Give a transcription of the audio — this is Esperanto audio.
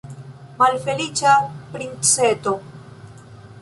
Malfeliĉa princeto!